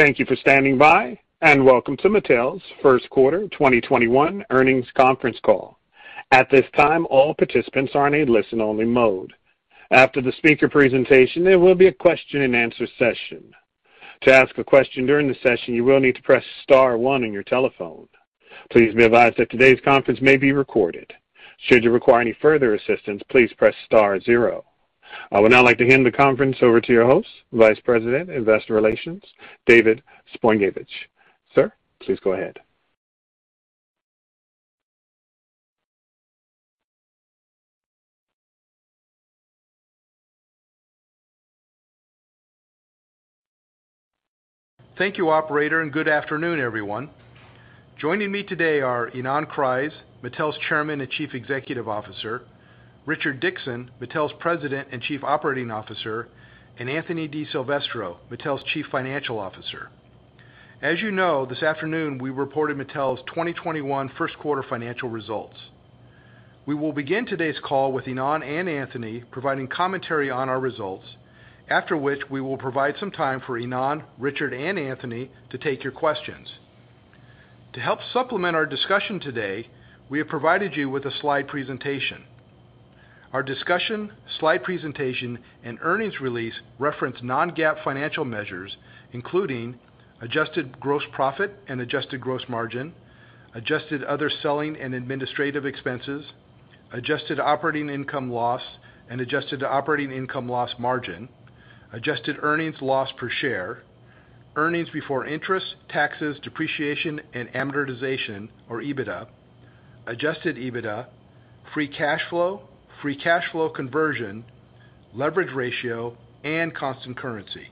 Thank you for standing by and welcome to Mattel's first quarter 2021 earnings conference call. At this time, all participants are in a listen-only mode. After the speaker presentation, there will be a question-and-answer session. To ask a question during the session, you will need to press star one on your telephone. Please be advised that today's conference may be recorded. Should you require any further assistance, please press star zero. I would now like to hand the conference over to your host, Vice President Investor Relations, David Zbojniewicz. Sir, please go ahead. Thank you operator. Good afternoon everyone. Joining me today are Ynon Kreiz, Mattel's Chairman and Chief Executive Officer, Richard Dickson, Mattel's President and Chief Operating Officer, and Anthony DiSilvestro, Mattel's Chief Financial Officer. As you know, this afternoon we reported Mattel's 2021 first quarter financial results. We will begin today's call with Ynon and Anthony providing commentary on our results, after which we will provide some time for Ynon, Richard, and Anthony to take your questions. To help supplement our discussion today, we have provided you with a slide presentation. Our discussion, slide presentation, and earnings release reference non-GAAP financial measures, including adjusted gross profit and adjusted gross margin, adjusted other selling and administrative expenses, adjusted operating income loss and adjusted operating income loss margin, adjusted earnings loss per share, earnings before interest, taxes, depreciation and amortization or EBITDA, adjusted EBITDA, free cash flow, free cash flow conversion, leverage ratio and constant currency.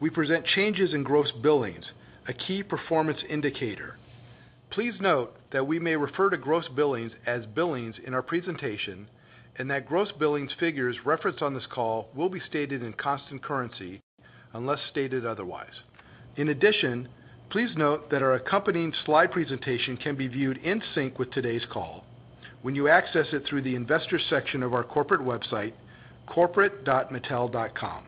We present changes in gross billings, a key performance indicator. Please note that we may refer to gross billings as billings in our presentation, and that gross billings figures referenced on this call will be stated in constant currency unless stated otherwise. Please note that our accompanying slide presentation can be viewed in sync with today's call when you access it through the Investor section of our corporate website, investors.mattel.com.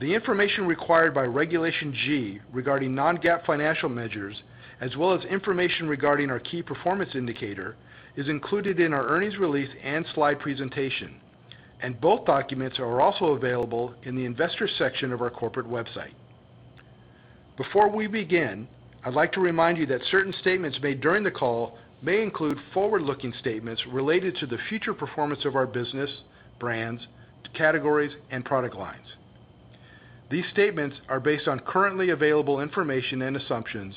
The information required by Regulation G regarding non-GAAP financial measures, as well as information regarding our key performance indicator, is included in our earnings release and slide presentation. Both documents are also available in the investor section of our corporate website. Before we begin, I'd like to remind you that certain statements made during the call may include forward-looking statements related to the future performance of our business, brands, categories, and product lines. These statements are based on currently available information and assumptions.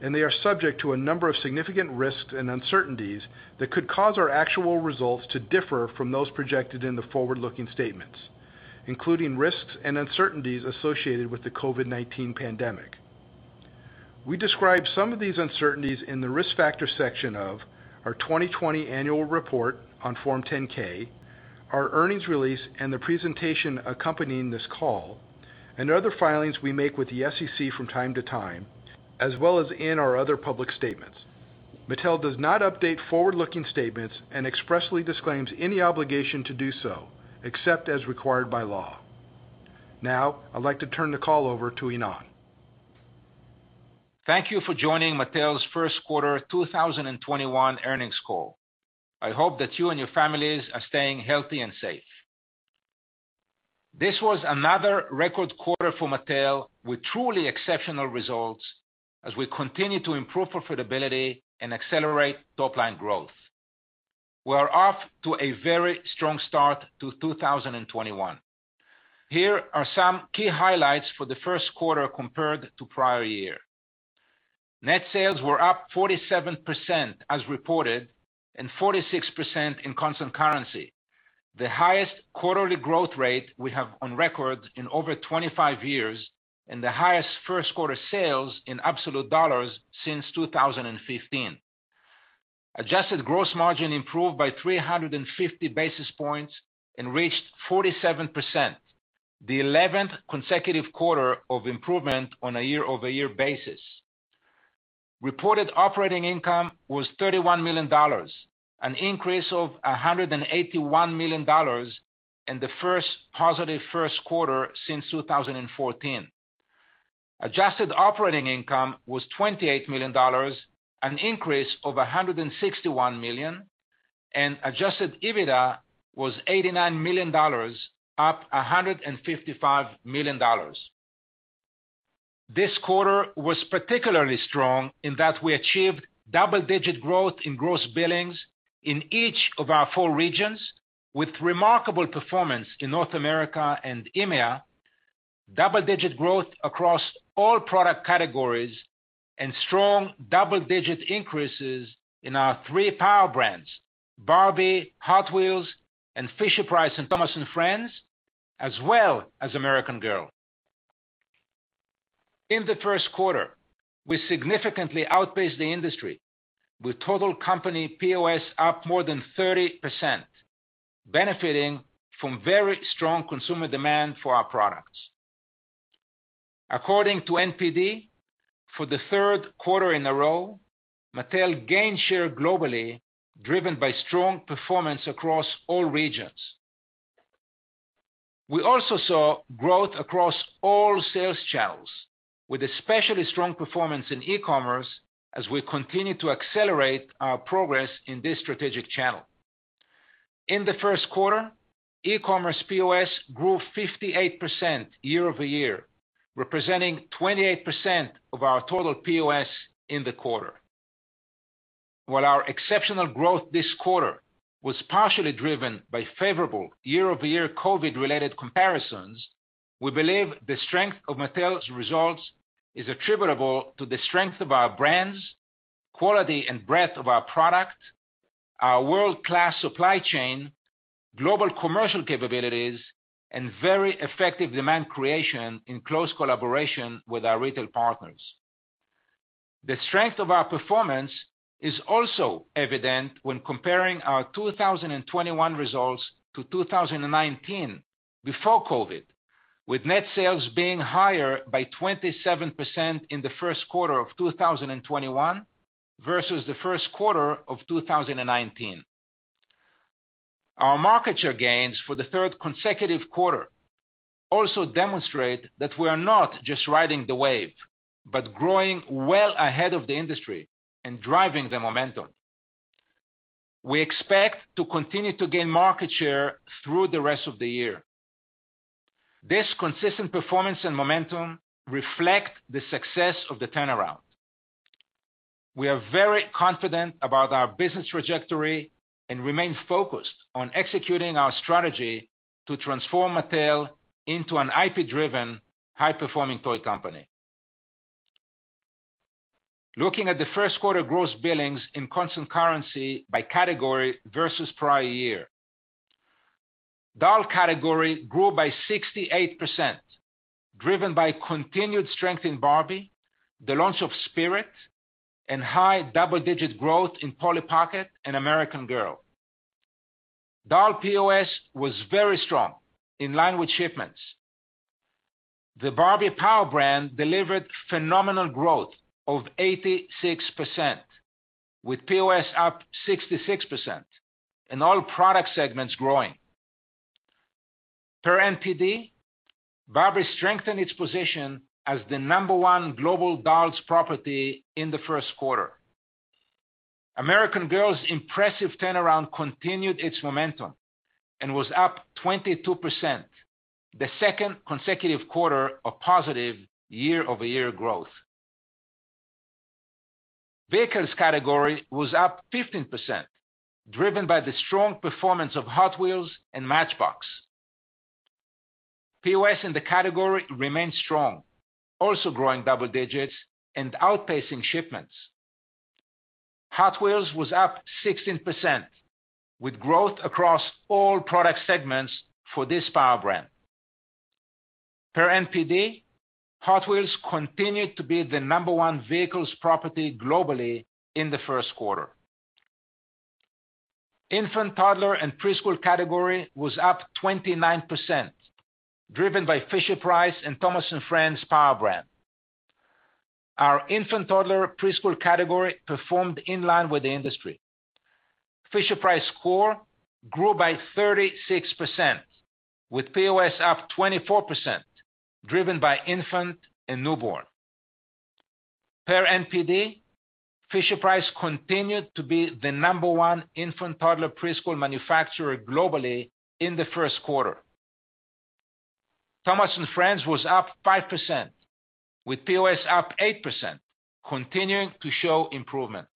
They are subject to a number of significant risks and uncertainties that could cause our actual results to differ from those projected in the forward-looking statements, including risks and uncertainties associated with the COVID-19 pandemic. We describe some of these uncertainties in the Risk Factor section of our 2020 annual report on Form 10-K, our earnings release, and the presentation accompanying this call, and other filings we make with the SEC from time to time, as well as in our other public statements. Mattel does not update forward-looking statements and expressly disclaims any obligation to do so, except as required by law. I'd like to turn the call over to Ynon. Thank you for joining Mattel's first quarter 2021 earnings call. I hope that you and your families are staying healthy and safe. This was another record quarter for Mattel with truly exceptional results as we continue to improve profitability and accelerate top-line growth. We're off to a very strong start to 2021. Here are some key highlights for the first quarter compared to prior year. Net sales were up 47% as reported, and 46% in constant currency, the highest quarterly growth rate we have on record in over 25 years, and the highest first quarter sales in absolute dollars since 2015. Adjusted gross margin improved by 350 basis points and reached 47%, the 11th consecutive quarter of improvement on a year-over-year basis. Reported operating income was $31 million, an increase of $181 million and the first positive first quarter since 2014. Adjusted operating income was $28 million, an increase of $161 million, and adjusted EBITDA was $89 million, up $155 million. This quarter was particularly strong in that we achieved double-digit growth in gross billings in each of our four regions, with remarkable performance in North America and EMEA, double-digit growth across all product categories and strong double-digit increases in our three Power Brands, Barbie, Hot Wheels, and Fisher-Price and Thomas & Friends, as well as American Girl. In the first quarter, we significantly outpaced the industry with total company POS up more than 30%, benefiting from very strong consumer demand for our products. According to NPD, for the third quarter in a row, Mattel gained share globally, driven by strong performance across all regions. We also saw growth across all sales channels, with especially strong performance in e-commerce as we continue to accelerate our progress in this strategic channel. In the first quarter, e-commerce POS grew 58% year-over-year, representing 28% of our total POS in the quarter. While our exceptional growth this quarter was partially driven by favorable year-over-year COVID-related comparisons, we believe the strength of Mattel's results is attributable to the strength of our brands, quality and breadth of our product, our world-class supply chain, global commercial capabilities, and very effective demand creation in close collaboration with our retail partners. The strength of our performance is also evident when comparing our 2021 results to 2019 before COVID, with net sales being higher by 27% in the first quarter of 2021 versus the first quarter of 2019. Our market share gains for the third consecutive quarter also demonstrate that we are not just riding the wave, but growing well ahead of the industry and driving the momentum. We expect to continue to gain market share through the rest of the year. This consistent performance and momentum reflect the success of the turnaround. We are very confident about our business trajectory and remain focused on executing our strategy to transform Mattel into an IP-driven, high-performing toy company. Looking at the first quarter gross billings in constant currency by category versus prior year. Doll category grew by 68%, driven by continued strength in Barbie, the launch of Spirit, and high double-digit growth in Polly Pocket and American Girl. Doll POS was very strong, in line with shipments. The Barbie power brand delivered phenomenal growth of 86%, with POS up 66%, and all product segments growing. Per NPD, Barbie strengthened its position as the number one global dolls property in the first quarter. American Girl's impressive turnaround continued its momentum and was up 22%, the second consecutive quarter of positive year-over-year growth. Vehicles category was up 15%, driven by the strong performance of Hot Wheels and Matchbox. POS in the category remained strong, also growing double digits and outpacing shipments. Hot Wheels was up 16%, with growth across all product segments for this power brand. Per NPD, Hot Wheels continued to be the number one vehicles property globally in the first quarter. Infant, toddler, and preschool category was up 29%, driven by Fisher-Price and Thomas & Friends power brand. Our infant, toddler, preschool category performed in line with the industry. Fisher-Price core grew by 36%, with POS up 24%, driven by infant and newborn. Per NPD, Fisher-Price continued to be the number one infant, toddler, preschool manufacturer globally in the first quarter. Thomas & Friends was up 5%, with POS up 8%, continuing to show improvement.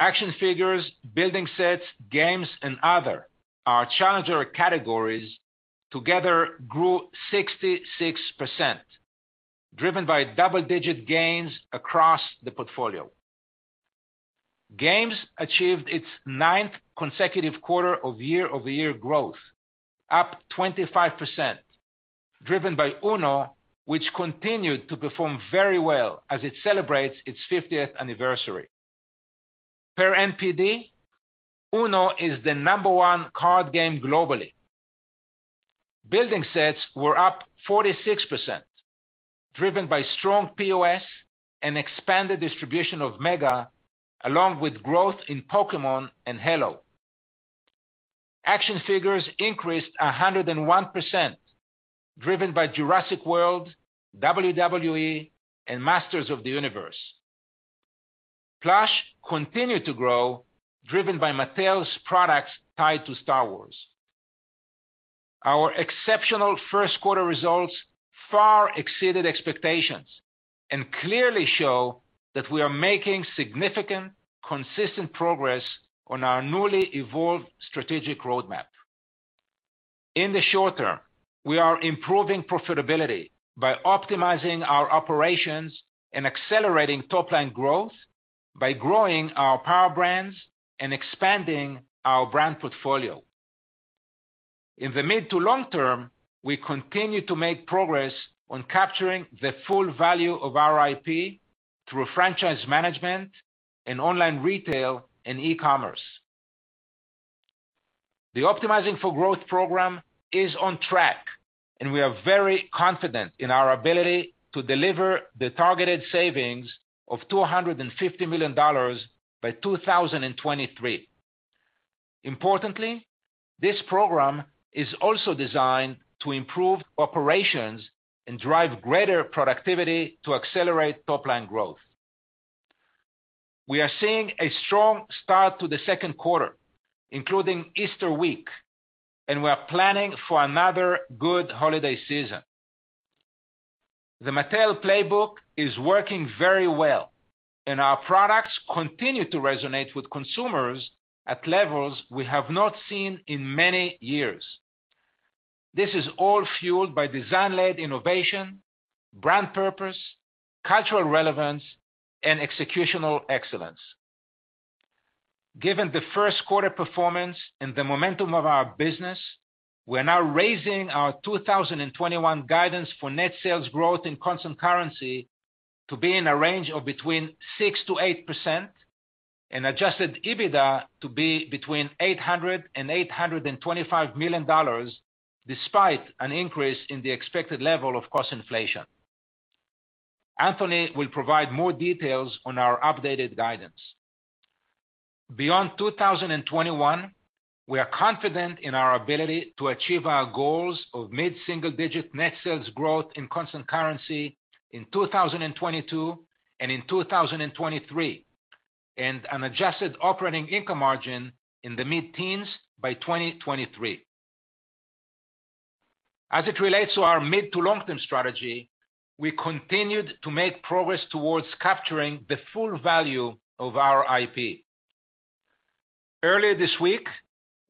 Action Figures, Building Sets, Games, and Other, our challenger categories together grew 66%, driven by double-digit gains across the portfolio. Games achieved its ninth consecutive quarter of year-over-year growth, up 25%, driven by UNO, which continued to perform very well as it celebrates its 50th anniversary. Per NPD, UNO is the number one card game globally. Building Sets were up 46%, driven by strong POS and expanded distribution of MEGA, along with growth in Pokémon and Halo. Action Figures increased 101%, driven by Jurassic World, WWE, and Masters of the Universe. Plush continued to grow, driven by Mattel's products tied to Star Wars. Our exceptional first quarter results far exceeded expectations and clearly show that we are making significant, consistent progress on our newly evolved strategic roadmap. In the short-term, we are improving profitability by optimizing our operations and accelerating top line growth by growing our Power Brands and expanding our brand portfolio. In the mid to long term, we continue to make progress on capturing the full value of our IP through franchise management and online retail and e-commerce. The Optimizing for Growth program is on track, and we are very confident in our ability to deliver the targeted savings of $250 million by 2023. Importantly, this program is also designed to improve operations and drive greater productivity to accelerate top-line growth. We are seeing a strong start to the second quarter, including Easter week, and we are planning for another good holiday season. The Mattel playbook is working very well, and our products continue to resonate with consumers at levels we have not seen in many years. This is all fueled by design-led innovation, brand purpose, cultural relevance, and executional excellence. Given the first quarter performance and the momentum of our business, we're now raising our 2021 guidance for net sales growth in constant currency to be in a range of between 6%-8% and adjusted EBITDA to be between $800 million and $825 million, despite an increase in the expected level of cost inflation. Anthony will provide more details on our updated guidance. Beyond 2021, we are confident in our ability to achieve our goals of mid-single digit net sales growth in constant currency in 2022 and in 2023, and an adjusted operating income margin in the mid-teens by 2023. As it relates to our mid to long-term strategy, we continued to make progress towards capturing the full value of our IP. Earlier this week,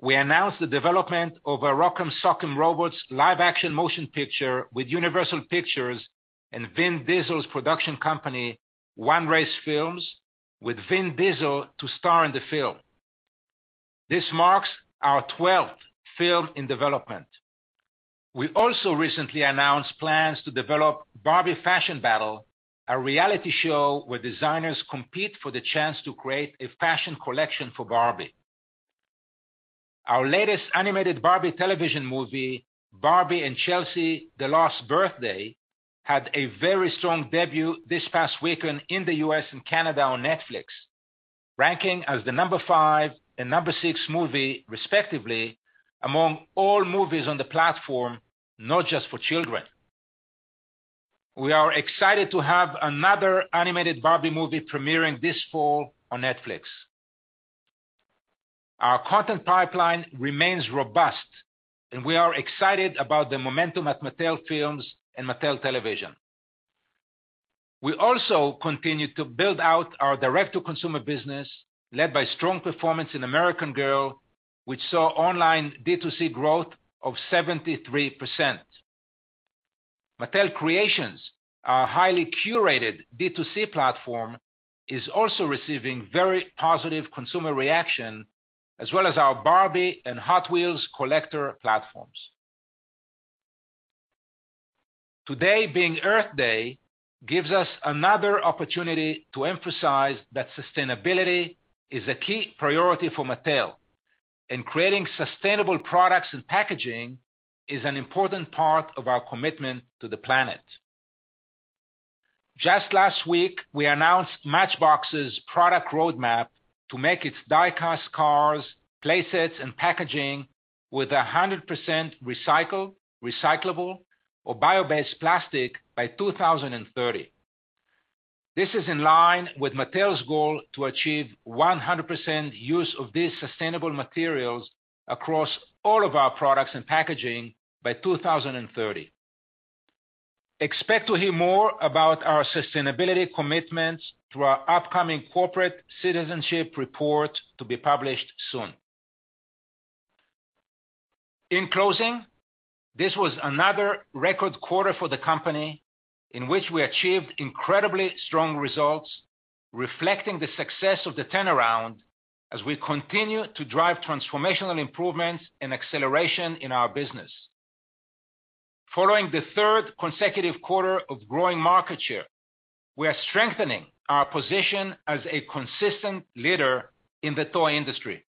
we announced the development of a Rock 'Em Sock 'Em Robots live action motion picture with Universal Pictures and Vin Diesel's production company, One Race Films, with Vin Diesel to star in the film. This marks our 12th film in development. We also recently announced plans to develop Barbie Fashion Battle, a reality show where designers compete for the chance to create a fashion collection for Barbie. Our latest animated Barbie television movie, Barbie and Chelsea: The Lost Birthday, had a very strong debut this past weekend in the U.S. and Canada on Netflix, ranking as the number five and number six movie, respectively, among all movies on the platform, not just for children. We are excited to have another animated Barbie movie premiering this fall on Netflix. Our content pipeline remains robust, and we are excited about the momentum at Mattel Films and Mattel Television. We also continue to build out our direct-to-consumer business, led by strong performance in American Girl, which saw online D2C growth of 73%. Mattel Creations, our highly curated D2C platform, is also receiving very positive consumer reaction as well as our Barbie and Hot Wheels collector platforms. Today being Earth Day gives us another opportunity to emphasize that sustainability is a key priority for Mattel, and creating sustainable products and packaging is an important part of our commitment to the planet. Just last week, we announced Matchbox's product roadmap to make its diecast cars, play sets, and packaging with 100% recycled, recyclable, or bio-based plastic by 2030. This is in line with Mattel's goal to achieve 100% use of these sustainable materials across all of our products and packaging by 2030. Expect to hear more about our sustainability commitments through our upcoming corporate citizenship report to be published soon. In closing, this was another record quarter for the company in which we achieved incredibly strong results, reflecting the success of the turnaround as we continue to drive transformational improvements and acceleration in our business. Following the third consecutive quarter of growing market share, we are strengthening our position as a consistent leader in the toy industry.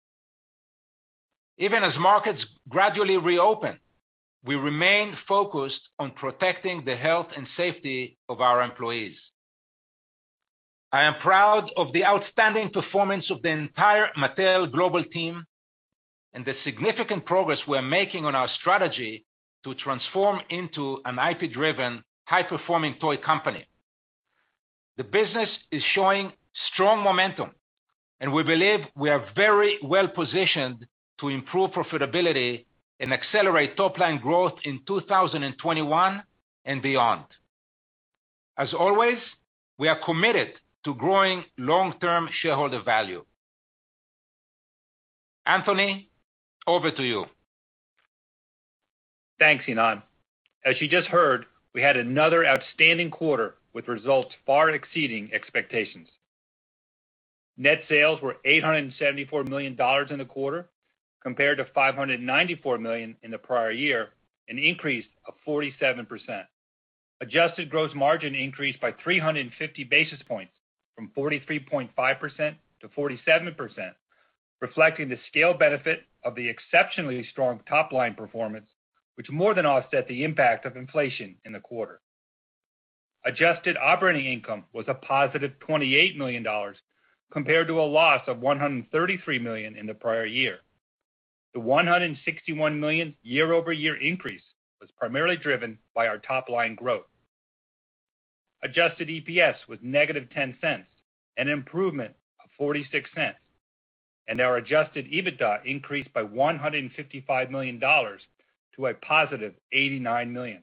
Even as markets gradually reopen, we remain focused on protecting the health and safety of our employees. I am proud of the outstanding performance of the entire Mattel global team and the significant progress we're making on our strategy to transform into an IP driven, high performing toy company. The business is showing strong momentum, and we believe we are very well positioned to improve profitability and accelerate top-line growth in 2021 and beyond. As always, we are committed to growing long-term shareholder value. Anthony, over to you. Thanks, Ynon. As you just heard, we had another outstanding quarter with results far exceeding expectations. Net sales were $874 million in the quarter compared to $594 million in the prior year, an increase of 47%. Adjusted gross margin increased by 350 basis points from 43.5%-47%, reflecting the scale benefit of the exceptionally strong top-line performance, which more than offset the impact of inflation in the quarter. adjusted operating income was a positive $28 million compared to a loss of $133 million in the prior year. The $161 million year-over-year increase was primarily driven by our top-line growth. adjusted EPS was -$0.10, an improvement of $0.46, and our adjusted EBITDA increased by $155 million to a positive $89 million.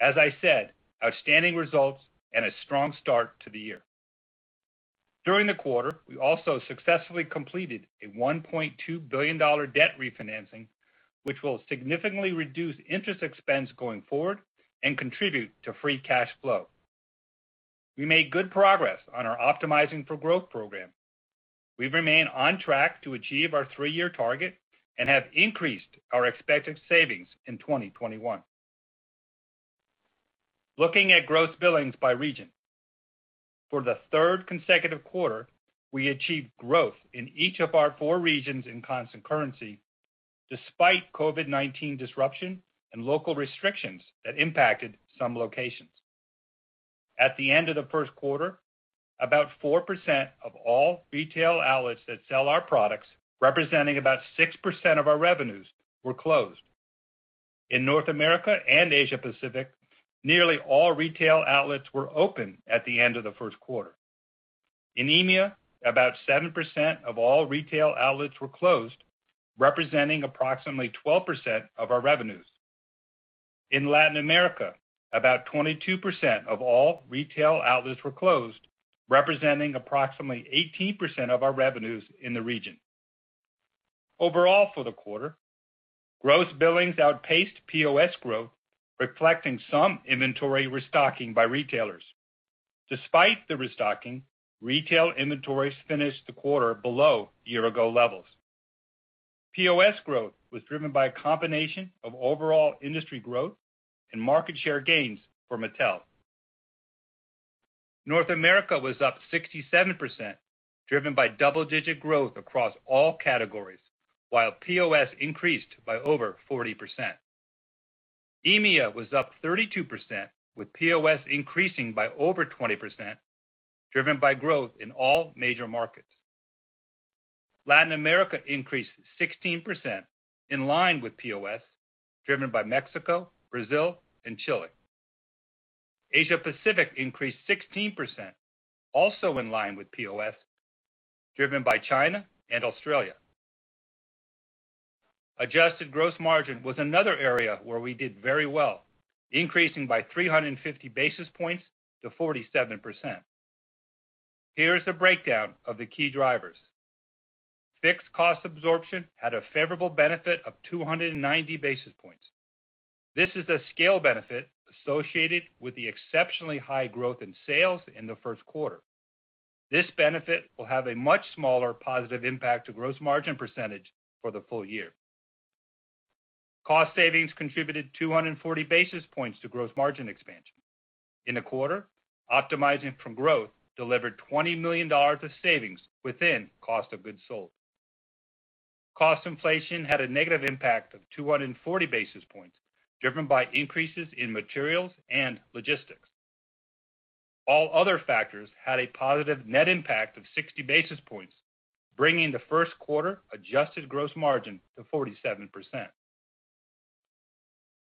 As I said, outstanding results and a strong start to the year. During the quarter, we also successfully completed a $1.2 billion debt refinancing, which will significantly reduce interest expense going forward and contribute to free cash flow. We made good progress on our Optimizing for Growth program. We remain on track to achieve our three-year target and have increased our expected savings in 2021. Looking at gross billings by region. For the third consecutive quarter, we achieved growth in each of our four regions in constant currency, despite COVID-19 disruption and local restrictions that impacted some locations. At the end of the first quarter, about 4% of all retail outlets that sell our products, representing about 6% of our revenues, were closed. In North America and Asia-Pacific, nearly all retail outlets were open at the end of the first quarter. In EMEA, about 7% of all retail outlets were closed, representing approximately 12% of our revenues. In Latin America, about 22% of all retail outlets were closed, representing approximately 18% of our revenues in the region. Overall for the quarter, gross billings outpaced POS growth, reflecting some inventory restocking by retailers. Despite the restocking, retail inventories finished the quarter below year-ago levels. POS growth was driven by a combination of overall industry growth and market share gains for Mattel. North America was up 67%, driven by double-digit growth across all categories, while POS increased by over 40%. EMEA was up 32%, with POS increasing by over 20%, driven by growth in all major markets. Latin America increased 16%, in line with POS, driven by Mexico, Brazil, and Chile. Asia-Pacific increased 16%, also in line with POS, driven by China and Australia. Adjusted gross margin was another area where we did very well, increasing by 350 basis points to 47%. Here is the breakdown of the key drivers. Fixed cost absorption had a favorable benefit of 290 basis points. This is a scale benefit associated with the exceptionally high growth in sales in the first quarter. This benefit will have a much smaller positive impact to gross margin percentage for the full year. Cost savings contributed 240 basis points to gross margin expansion. In the quarter, Optimizing for Growth delivered $20 million of savings within cost of goods sold. Cost inflation had a negative impact of 240 basis points, driven by increases in materials and logistics. All other factors had a positive net impact of 60 basis points, bringing the first quarter adjusted gross margin to 47%.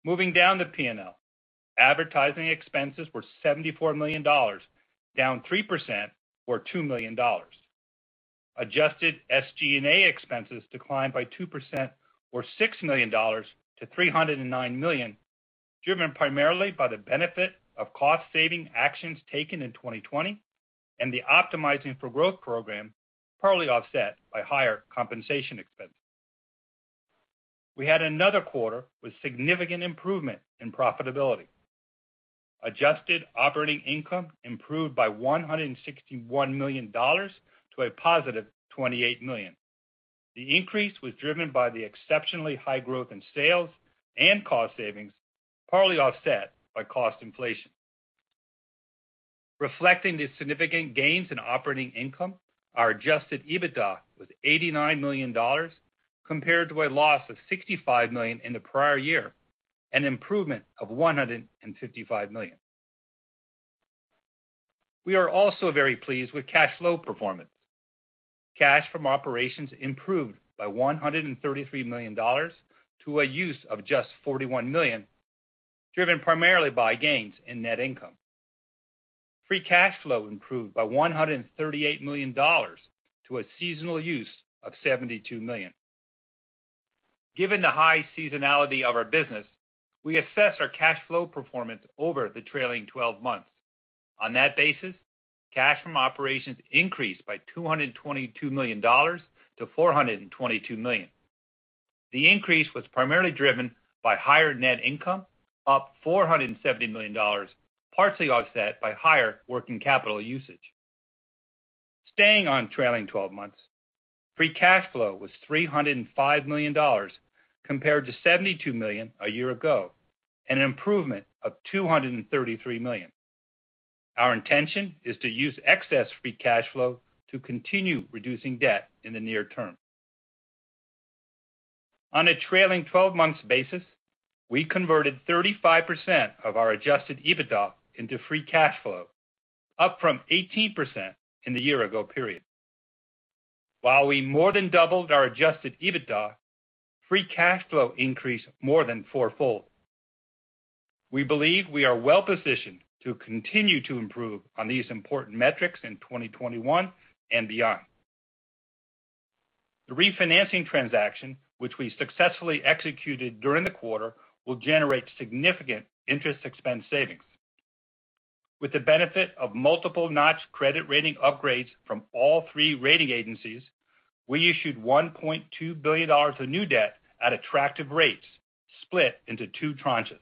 Moving down to P&L. Advertising expenses were $74 million, down 3% or $2 million. Adjusted SG&A expenses declined by 2% or $6 million-$309 million, driven primarily by the benefit of cost-saving actions taken in 2020 and the Optimizing for Growth program, partly offset by higher compensation expenses. We had another quarter with significant improvement in profitability. Adjusted operating income improved by $161 million to a positive $28 million. The increase was driven by the exceptionally high growth in sales and cost savings, partly offset by cost inflation. Reflecting the significant gains in operating income, our adjusted EBITDA was $89 million, compared to a loss of $65 million in the prior year, an improvement of $155 million. We are also very pleased with cash flow performance. Cash from operations improved by $133 million to a use of just $41 million, driven primarily by gains in net income. Free cash flow improved by $138 million to a seasonal use of $72 million. Given the high seasonality of our business, we assess our cash flow performance over the trailing 12 months. On that basis, cash from operations increased by $222 million-$422 million. The increase was primarily driven by higher net income, up $470 million, partially offset by higher working capital usage. Staying on trailing 12 months, free cash flow was $305 million compared to $72 million a year ago, an improvement of $233 million. Our intention is to use excess free cash flow to continue reducing debt in the near term. On a trailing 12 months basis, we converted 35% of our adjusted EBITDA into free cash flow, up from 18% in the year ago period. While we more than doubled our adjusted EBITDA, free cash flow increased more than four-fold. We believe we are well-positioned to continue to improve on these important metrics in 2021 and beyond. The refinancing transaction, which we successfully executed during the quarter, will generate significant interest expense savings. With the benefit of multiple notch credit rating upgrades from all three rating agencies, we issued $1.2 billion of new debt at attractive rates, split into two tranches.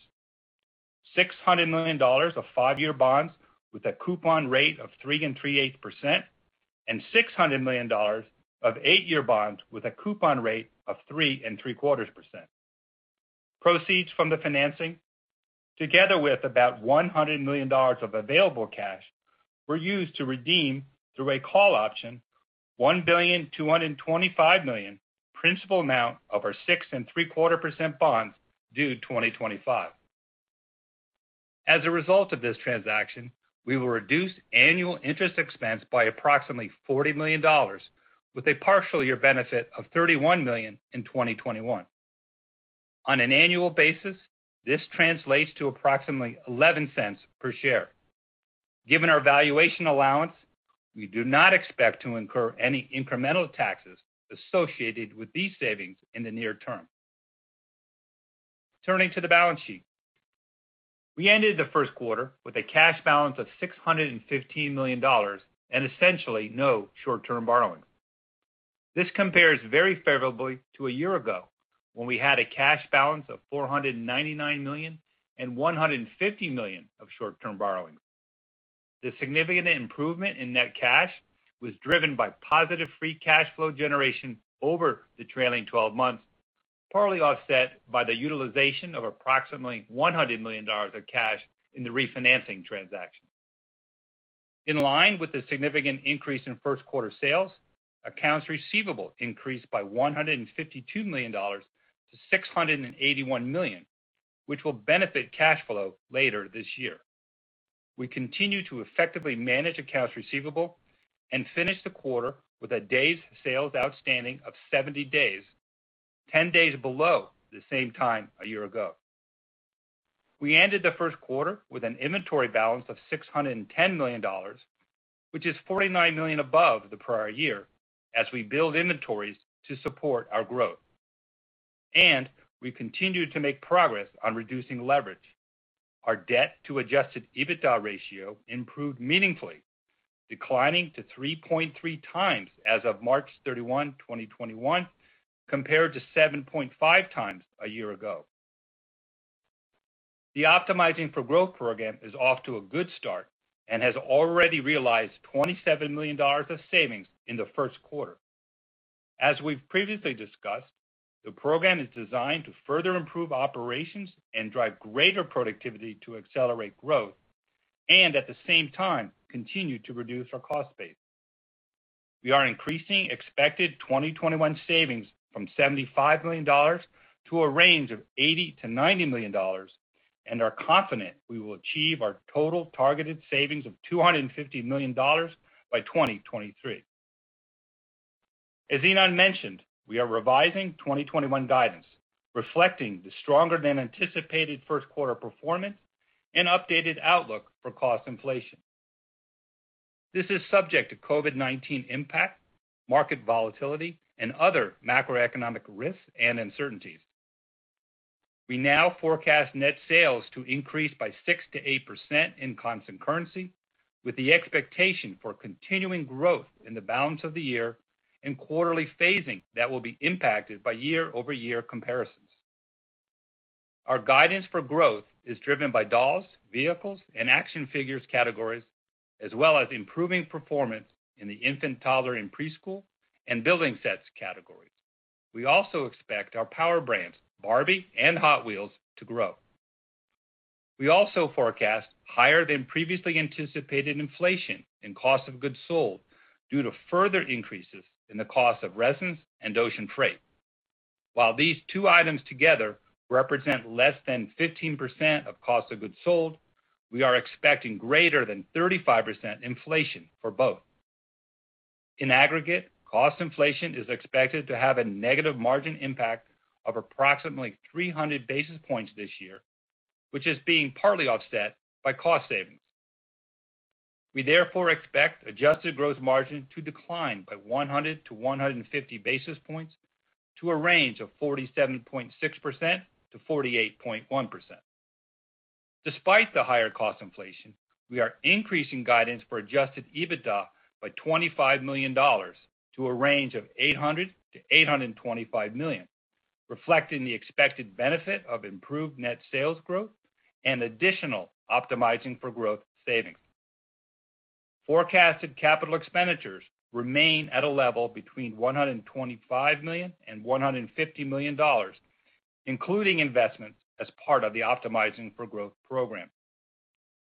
$600 million of five-year bonds with a coupon rate of 3.38%, and $600 million of eight-year bonds with a coupon rate of 3.75%. Proceeds from the financing, together with about $100 million of available cash, were used to redeem through a call option $1.225 billion principal amount of our 6.75% bonds due 2025. As a result of this transaction, we will reduce annual interest expense by approximately $40 million, with a partial year benefit of $31 million in 2021. On an annual basis, this translates to approximately $0.11 per share. Given our valuation allowance, we do not expect to incur any incremental taxes associated with these savings in the near term. Turning to the balance sheet. We ended the first quarter with a cash balance of $615 million and essentially no short-term borrowing. This compares very favorably to a year ago, when we had a cash balance of $499 million and $150 million of short-term borrowing. The significant improvement in net cash was driven by positive free cash flow generation over the trailing 12 months, partly offset by the utilization of approximately $100 million of cash in the refinancing transaction. In line with the significant increase in first quarter sales, accounts receivable increased by $152 million-$681 million, which will benefit cash flow later this year. We continue to effectively manage accounts receivable and finish the quarter with a days sales outstanding of 70 days, 10 days below the same time a year ago. We ended the first quarter with an inventory balance of $610 million, which is $49 million above the prior year, as we build inventories to support our growth. We continue to make progress on reducing leverage. Our debt to adjusted EBITDA ratio improved meaningfully, declining to 3.3x as of March 31, 2021, compared to 7.5x a year ago. The Optimizing for Growth program is off to a good start and has already realized $27 million of savings in the first quarter. As we've previously discussed, the program is designed to further improve operations and drive greater productivity to accelerate growth, and at the same time, continue to reduce our cost base. We are increasing expected 2021 savings from $75 million to a range of $80 million-$90 million and are confident we will achieve our total targeted savings of $250 million by 2023. As Ynon mentioned, we are revising 2021 guidance, reflecting the stronger than anticipated first quarter performance and updated outlook for cost inflation. This is subject to COVID-19 impact, market volatility, and other macroeconomic risks and uncertainties. We now forecast net sales to increase by 6%-8% in constant currency, with the expectation for continuing growth in the balance of the year and quarterly phasing that will be impacted by year-over-year comparisons. Our guidance for growth is driven by dolls, vehicles, and action figures categories, as well as improving performance in the infant, toddler, and preschool, and building sets categories. We also expect our Power Brands, Barbie and Hot Wheels, to grow. We also forecast higher than previously anticipated inflation in cost of goods sold due to further increases in the cost of resins and ocean freight. While these two items together represent less than 15% of cost of goods sold, we are expecting greater than 35% inflation for both. In aggregate, cost inflation is expected to have a negative margin impact of approximately 300 basis points this year, which is being partly offset by cost savings. We therefore expect adjusted gross margin to decline by 100-150 basis points to a range of 47.6%-48.1%. Despite the higher cost inflation, we are increasing guidance for adjusted EBITDA by $25 million to a range of $800 million-$825 million. Reflecting the expected benefit of improved net sales growth and additional Optimizing for Growth savings. Forecasted capital expenditures remain at a level between $125 million and $150 million, including investments as part of the Optimizing for Growth program.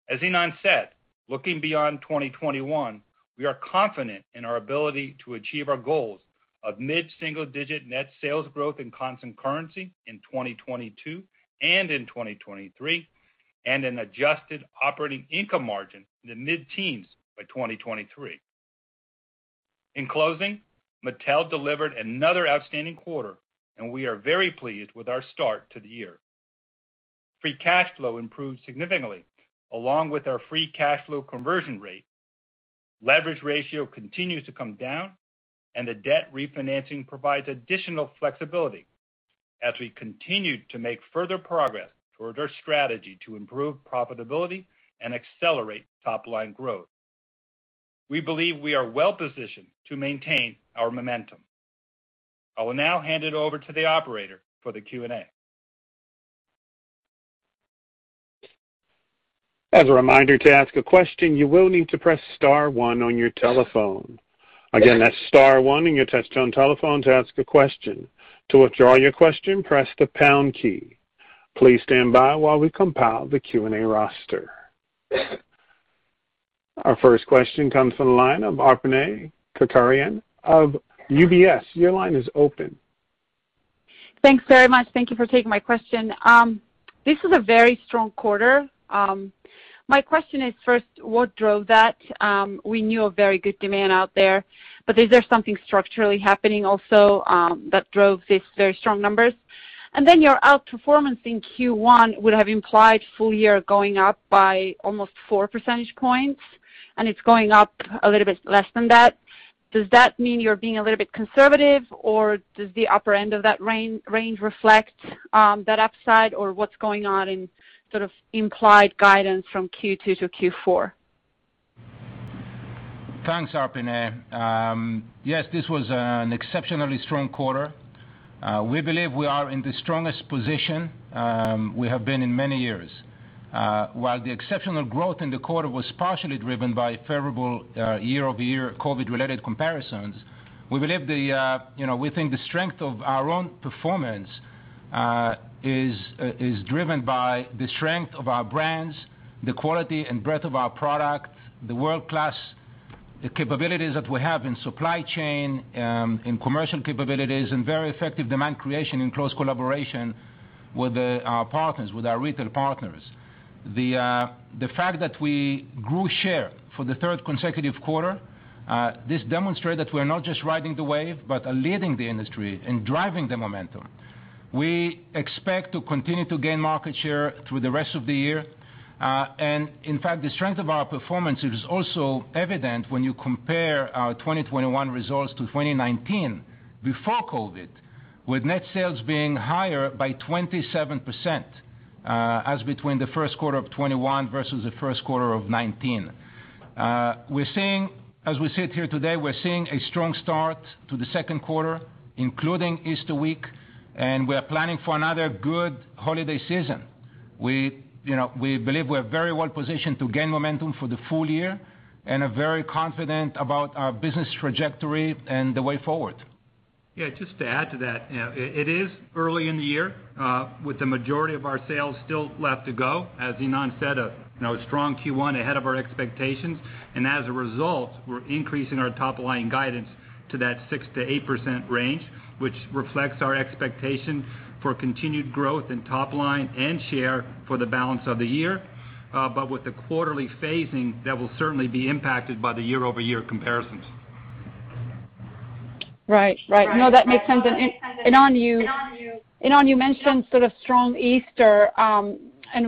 As Ynon said, looking beyond 2021, we are confident in our ability to achieve our goals of mid-single-digit net sales growth in constant currency in 2022 and in 2023, and an adjusted operating income margin in the mid-teens by 2023. In closing, Mattel delivered another outstanding quarter, and we are very pleased with our start to the year. Free cash flow improved significantly, along with our free cash flow conversion rate. Leverage ratio continues to come down, and the debt refinancing provides additional flexibility as we continue to make further progress toward our strategy to improve profitability and accelerate top-line growth. We believe we are well-positioned to maintain our momentum. I will now hand it over to the operator for the Q&A. As a reminder, to ask a question, you will need to press star one on your telephone. Again, that's star one on your touch-tone telephone to ask a question. To withdraw your question, press the pound key. Please stand by while we compile the Q&A roster. Our first question comes from the line of Arpiné Kocharyan of UBS. Your line is open. Thanks very much. Thank you for taking my question. This is a very strong quarter. My question is, first, what drove that? Is there something structurally happening also that drove these very strong numbers? Your outperformance in Q1 would have implied full year going up by almost 4 percentage points, and it's going up a little bit less than that. Does that mean you're being a little bit conservative, or does the upper end of that range reflect that upside? What's going on in sort of implied guidance from Q2-Q4? Thanks, Arpiné. Yes, this was an exceptionally strong quarter. We believe we are in the strongest position we have been in many years. While the exceptional growth in the quarter was partially driven by favorable year-over-year COVID-related comparisons, we think the strength of our own performance is driven by the strength of our brands, the quality and breadth of our product, the world-class capabilities that we have in supply chain, in commercial capabilities, and very effective demand creation in close collaboration with our retail partners. The fact that we grew share for the third consecutive quarter, this demonstrate that we're not just riding the wave, but are leading the industry and driving the momentum. We expect to continue to gain market share through the rest of the year. In fact, the strength of our performance is also evident when you compare our 2021 results to 2019 before COVID, with net sales being higher by 27% as between the first quarter of 2021 versus the first quarter of 2019. As we sit here today, we're seeing a strong start to the second quarter, including Easter week, and we're planning for another good holiday season. We believe we're very well positioned to gain momentum for the full year and are very confident about our business trajectory and the way forward. Yeah, just to add to that. It is early in the year, with the majority of our sales still left to go. As Ynon said, a strong Q1 ahead of our expectations. As a result, we're increasing our top-line guidance to that 6%-8% range, which reflects our expectation for continued growth in top line and share for the balance of the year, but with the quarterly phasing that will certainly be impacted by the year-over-year comparisons. Right. No, that makes sense. Ynon, you mentioned sort of strong Easter, and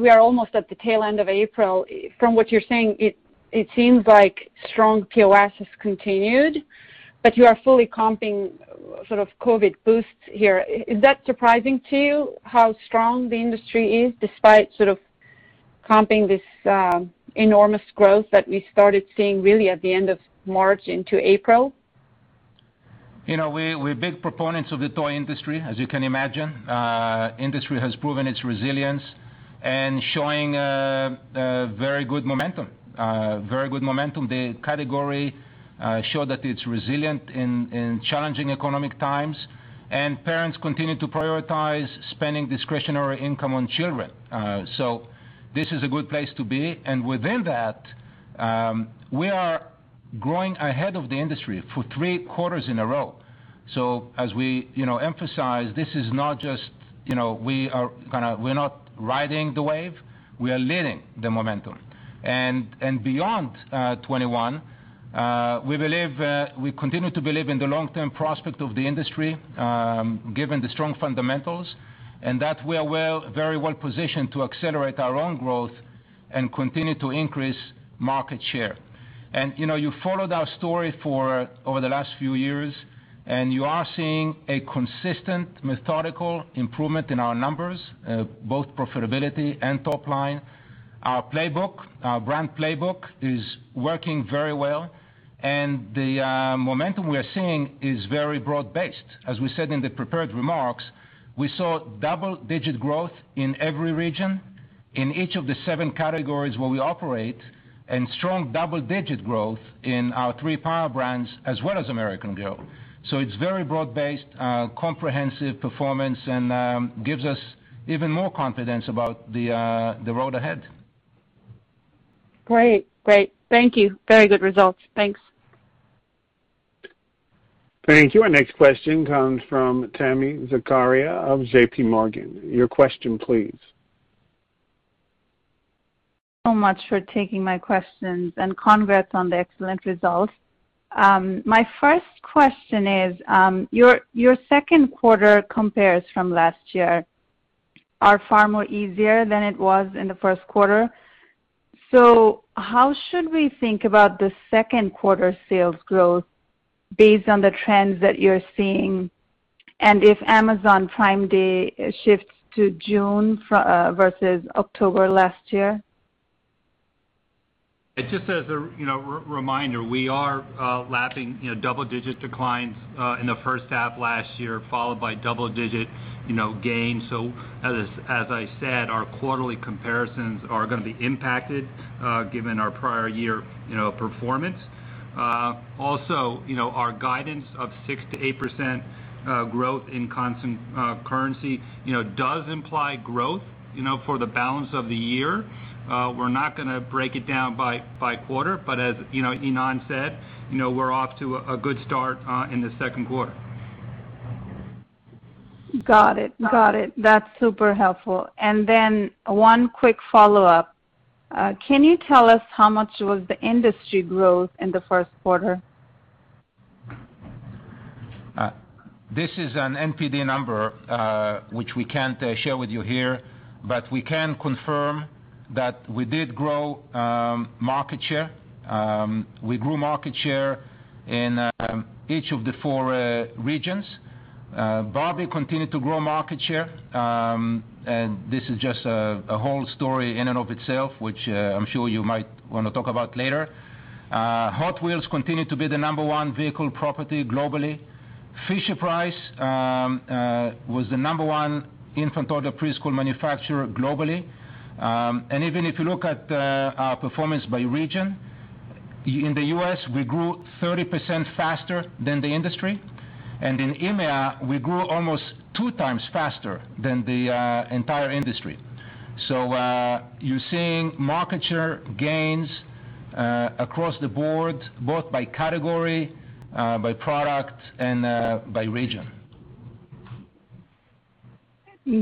we are almost at the tail end of April. From what you are saying, it seems like strong POS has continued, but you are fully comping sort of COVID boosts here. Is that surprising to you how strong the industry is, despite sort of comping this enormous growth that we started seeing really at the end of March into April? We're big proponents of the toy industry, as you can imagine. Industry has proven its resilience and showing very good momentum. The category showed that it's resilient in challenging economic times, and parents continue to prioritize spending discretionary income on children. This is a good place to be, and within that, we are growing ahead of the industry for three quarters in a row. As we emphasize, this is not just we're not riding the wave, we are leading the momentum. Beyond 2021, we continue to believe in the long-term prospect of the industry given the strong fundamentals, and that we are very well positioned to accelerate our own growth and continue to increase market share. You followed our story over the last few years, and you are seeing a consistent, methodical improvement in our numbers, both profitability and top-line. Our brand playbook is working very well, and the momentum we are seeing is very broad-based. As we said in the prepared remarks, we saw double-digit growth in every region, in each of the seven categories where we operate, and strong double-digit growth in our three Power Brands as well as American Girl. It's very broad-based, comprehensive performance and gives us even more confidence about the road ahead. Great. Thank you. Very good results. Thanks. Thank you. Our next question comes from Tami Zakaria of JPMorgan. Your question, please. So much for taking my questions, and congrats on the excellent results. My first question is your second quarter compares from last year are far more easier than it was in the first quarter. How should we think about the second quarter sales growth based on the trends that you're seeing, and if Amazon Prime Day shifts to June versus October last year? Just as a reminder, we are lapping double-digit declines in the first half last year, followed by double-digit gains. As I said, our quarterly comparisons are going to be impacted given our prior year performance. Our guidance of 6%-8% growth in constant currency does imply growth for the balance of the year. We're not going to break it down by quarter, but as Ynon said, we're off to a good start in the second quarter. Got it. That's super helpful. Then one quick follow-up. Can you tell us how much was the industry growth in the first quarter? This is an NPD number which we can't share with you here, but we can confirm that we did grow market share. We grew market share in each of the four regions. Barbie continued to grow market share. This is just a whole story in and of itself, which I'm sure you might want to talk about later. Hot Wheels continued to be the number one vehicle property globally. Fisher-Price was the number one infant toddler preschool manufacturer globally. Even if you look at our performance by region, in the U.S., we grew 30% faster than the industry. In EMEA, we grew almost 2x faster than the entire industry. You're seeing market share gains across the board, both by category, by product, and by region.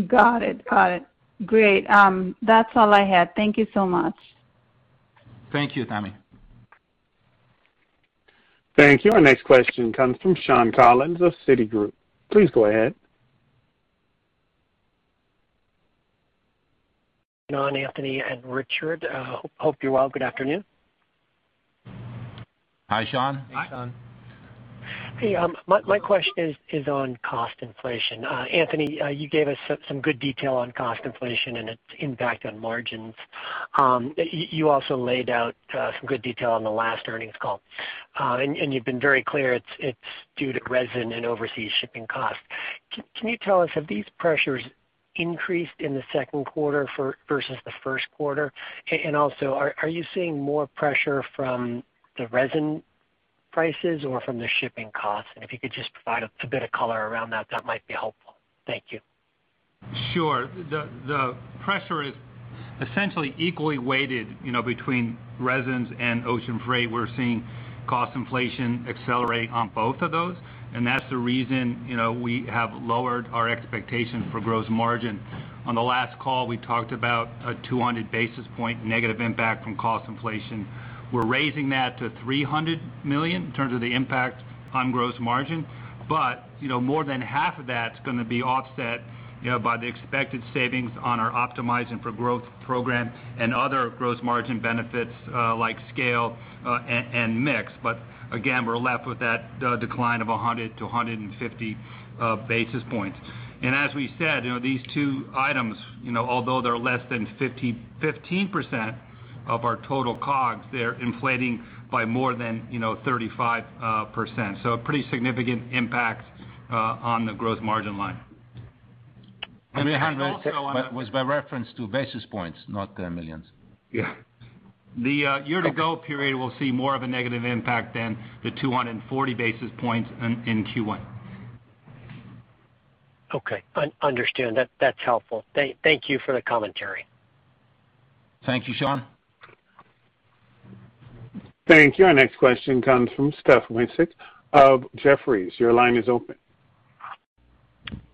Got it. Great. That's all I had. Thank you so much. Thank you, Tami. Thank you. Our next question comes from Shawn Collins of Citigroup. Please go ahead. Ynon, Anthony, and Richard, hope you're well. Good afternoon. Hi, Shawn. Hi. Hey, my question is on cost inflation. Anthony, you gave us some good detail on cost inflation and its impact on margins. You also laid out some good detail on the last earnings call. You've been very clear it's due to resin and overseas shipping costs. Can you tell us, have these pressures increased in the second quarter versus the first quarter? Also, are you seeing more pressure from the resin prices or from the shipping costs? If you could just provide a bit of color around that might be helpful. Thank you. Sure. The pressure is essentially equally weighted between resins and ocean freight. We're seeing cost inflation accelerate on both of those. That's the reason we have lowered our expectations for gross margin. On the last call, we talked about a 200 basis point negative impact from cost inflation. We're raising that to 300 basis points in terms of the impact on gross margin. More than half of that's going to be offset by the expected savings on our Optimizing for Growth program and other gross margin benefits like scale and mix. Again, we're left with that decline of 100-150 basis points. As we said, these two items, although they're less than 15% of our total COGS, they're inflating by more than 35%. A pretty significant impact on the gross margin line. The 300 was by reference to basis points, not millions. Yeah. The year ago period will see more of a negative impact than the 240 basis points in Q1. Okay. Understood. That's helpful. Thank you for the commentary. Thank you, Shawn. Thank you. Our next question comes from Stephanie Wissink of Jefferies. Your line is open.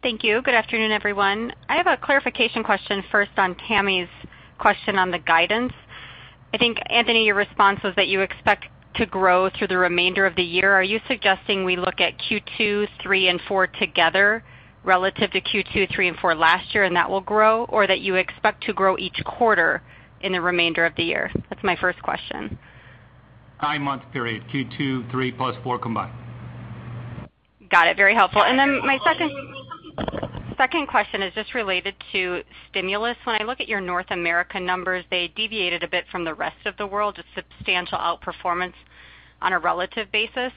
Thank you. Good afternoon, everyone. I have a clarification question first on Tami's question on the guidance. I think, Anthony, your response was that you expect to grow through the remainder of the year. Are you suggesting we look at Q2, three, and four together relative to Q2, three, and four last year, and that will grow, or that you expect to grow each quarter in the remainder of the year? That's my first question. Nine-month period, Q2, three, plus four combined. Got it. Very helpful. My second question is just related to stimulus. When I look at your North America numbers, they deviated a bit from the rest of the world, a substantial outperformance on a relative basis.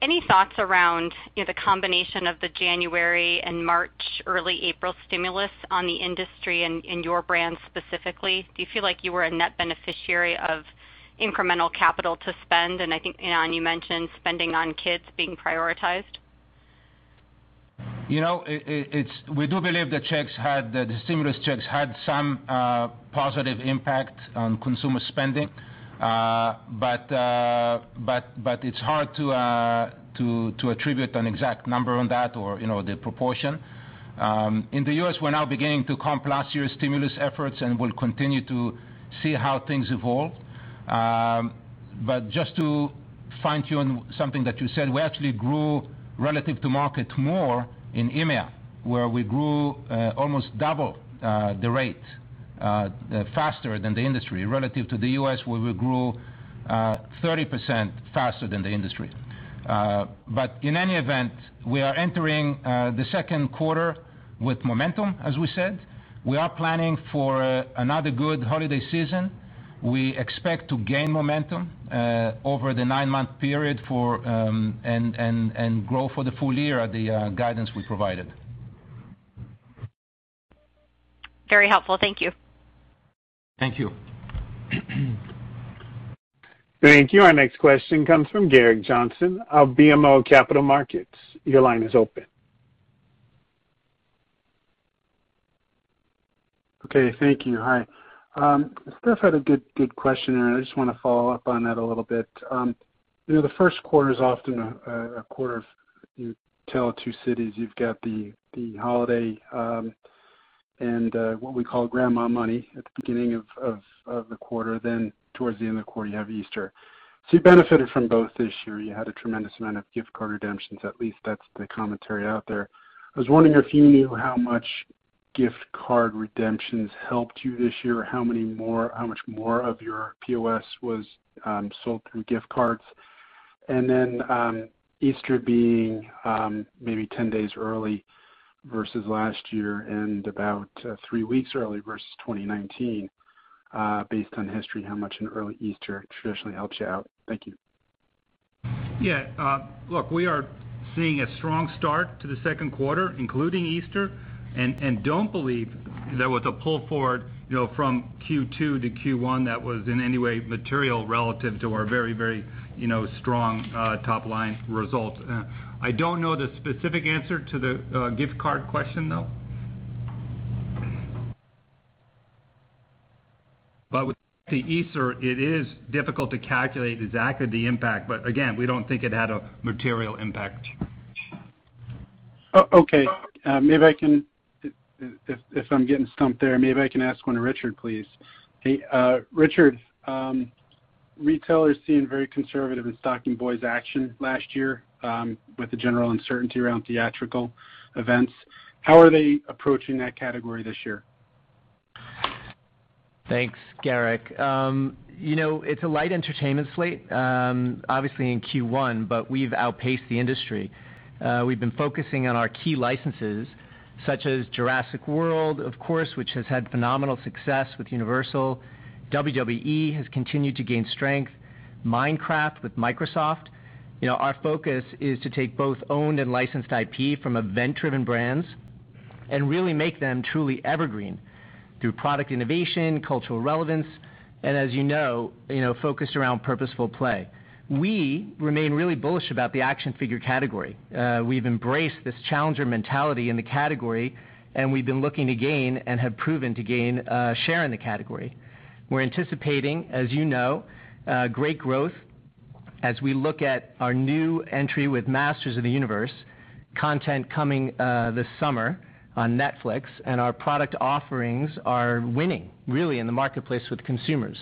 Any thoughts around the combination of the January and March, early April stimulus on the industry and your brand specifically? Do you feel like you were a net beneficiary of incremental capital to spend? I think, Ynon, you mentioned spending on kids being prioritized. We do believe the stimulus checks had some positive impact on consumer spending. It's hard to attribute an exact number on that or the proportion. In the U.S., we're now beginning to comp last year's stimulus efforts, and we'll continue to see how things evolve. Just to fine-tune something that you said, we actually grew relative to market more in EMEA, where we grew almost double the rate, faster than the industry. Relative to the U.S., where we grew 30% faster than the industry. In any event, we are entering the second quarter with momentum, as we said. We are planning for another good holiday season. We expect to gain momentum over the nine-month period and grow for the full year at the guidance we provided. Very helpful. Thank you. Thank you. Thank you. Our next question comes from Gerrick Johnson of BMO Capital Markets. Your line is open. Okay. Thank you. Hi. Steph had a good question. I just want to follow up on that a little bit. The first quarter is often a quarter of a tale of two cities. You've got the holiday and what we call grandma money at the beginning of the quarter. Towards the end of the quarter, you have Easter. You benefited from both this year. You had a tremendous amount of gift card redemptions. At least that's the commentary out there. I was wondering if you knew how much gift card redemptions helped you this year, how much more of your POS was sold through gift cards. Easter being maybe 10 days early versus last year and about three weeks early versus 2019. Based on history, how much an early Easter traditionally helps you out. Thank you. Yeah. Look, we are seeing a strong start to the second quarter, including Easter, and don't believe there was a pull forward from Q2 to Q1 that was in any way material relative to our very strong top-line results. I don't know the specific answer to the gift card question, though. With the Easter, it is difficult to calculate exactly the impact. Again, we don't think it had a material impact. Okay. If I'm getting stumped there, maybe I can ask one of Richard, please. Hey, Richard, retailers seemed very conservative in stocking boys action last year with the general uncertainty around theatrical events. How are they approaching that category this year? Thanks, Gerrick. It's a light entertainment slate, obviously in Q1, but we've outpaced the industry. We've been focusing on our key licenses, such as "Jurassic World," of course, which has had phenomenal success with Universal. WWE has continued to gain strength. "Minecraft" with Microsoft. Our focus is to take both owned and licensed IP from event-driven brands and really make them truly evergreen through product innovation, cultural relevance, and as you know, focused around purposeful play. We remain really bullish about the action figure category. We've embraced this challenger mentality in the category, and we've been looking to gain and have proven to gain share in the category. We're anticipating, as you know, great growth as we look at our new entry with "Masters of the Universe," content coming this summer on Netflix, and our product offerings are winning really in the marketplace with consumers.